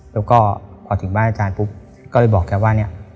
แล้วก็พอถึงบ้านอาจารย์ปุ๊บก็เลยบอกแกว่าเนี่ย